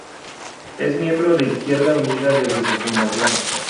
Es miembro de Izquierda Unida desde su fundación.